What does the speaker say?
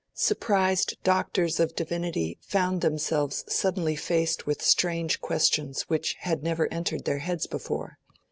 Surprised Doctors of Divinity found themselves suddenly faced with strange questions which had never entered their heads before.